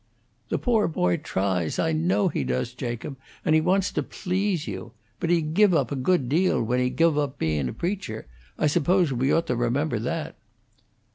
"The pore boy tries; I know he does, Jacob; and he wants to please you. But he give up a good deal when he give up bein' a preacher; I s'pose we ought to remember that."